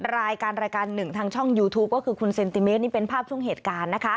รายการ๑ทางช่องยูทูปก็คือคุณเซนติเมตต์นี่เป็นภาพช่วงเหตุการณ์